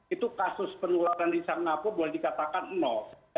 itu kasus penularan di singapura boleh dikatakan nol